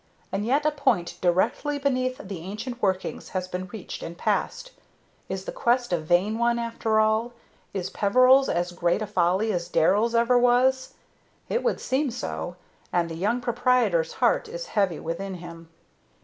And yet a point directly beneath the ancient workings has been reached and passed. Is the quest a vain one, after all? Is Peveril's as great a folly as Darrell's ever was? It would seem so; and the young proprietor's heart is heavy within him.